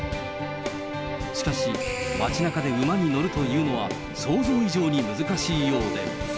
しかし、街なかで馬に乗るというのは想像以上に難しいようで。